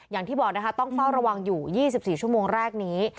อย่างที่บอกนะคะต้องเฝ้าระวังอยู่๒๔ชั่วโมงแรกนี้